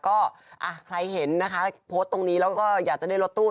ก็ใครเห็นนะคะโพสต์ตรงนี้แล้วก็อยากจะได้รถตู้